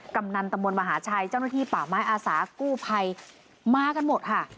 กำนันตมมหาชัยเจ้าหน้าที่ป่าไม้อาสากู้ภัยมากันหมดค่ะ